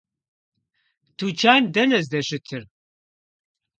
Тучан дэнэ здэщытыр?